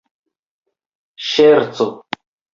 ŝerco